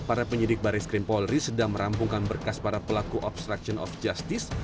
para penyidik baris krim polri sedang merampungkan berkas para pelaku obstruction of justice